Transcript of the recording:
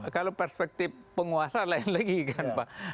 kalau perspektif penguasa lain lagi kan pak